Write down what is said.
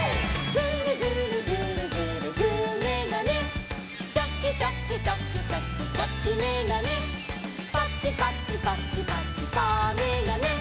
「グルグルグルグルグーめがね」「チョキチョキチョキチョキチョキめがね」「パチパチパチパチパーめがね」